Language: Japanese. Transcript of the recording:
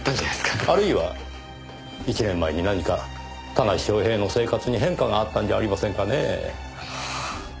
あるいは１年前に何か田無昌平の生活に変化があったんじゃありませんかねぇ？